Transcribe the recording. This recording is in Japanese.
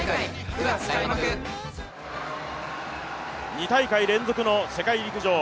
２大会連続の、世界陸上。